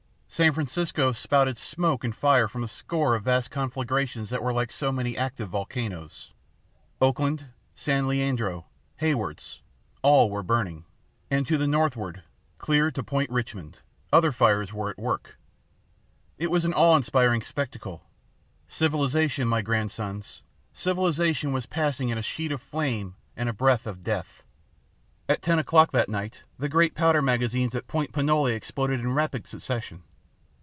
San Francisco spouted smoke and fire from a score of vast conflagrations that were like so many active volcanoes. Oakland, San Leandro, Haywards all were burning; and to the northward, clear to Point Richmond, other fires were at work. It was an awe inspiring spectacle. Civilization, my grandsons, civilization was passing in a sheet of flame and a breath of death. At ten o'clock that night, the great powder magazines at Point Pinole exploded in rapid succession.